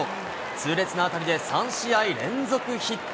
痛烈な当たりで３試合連続ヒット。